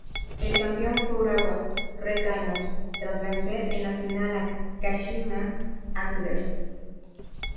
El campeón fue Urawa Red Diamonds, tras vencer en la final a Kashima Antlers.